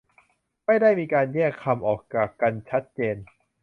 ไม่ได้มีการแยกคำออกจากกันชัดเจน